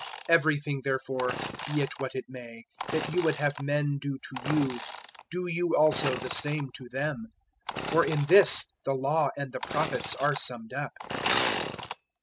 007:012 Everything, therefore, be it what it may, that you would have men do to you, do you also the same to them; for in this the Law and the Prophets are summed up.